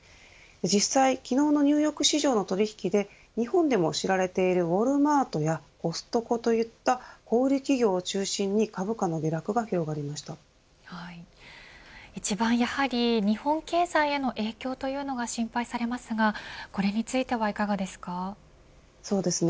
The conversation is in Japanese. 実際、昨日のニューヨーク市場の取引で日本でも知られているウォルマートやコストコといった小売り企業を中心に一番、日本経済への影響が心配されますがこれについてはいかがですか。